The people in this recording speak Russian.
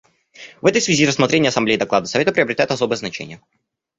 В этой связи рассмотрение Ассамблеей доклада Совета приобретает особое значение.